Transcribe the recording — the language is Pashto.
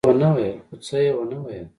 خو څه يې ونه ويل.